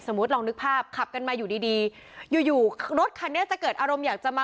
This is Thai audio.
ลองนึกภาพขับกันมาอยู่ดีดีอยู่อยู่รถคันนี้จะเกิดอารมณ์อยากจะมา